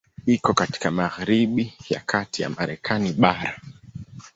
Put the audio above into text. Iko katika magharibi ya kati ya Marekani bara.